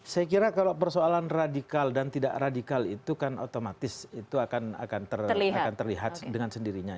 saya kira kalau persoalan radikal dan tidak radikal itu kan otomatis itu akan terlihat dengan sendirinya